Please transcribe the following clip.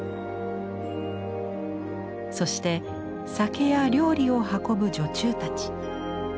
そして酒や料理を運ぶ女中たち。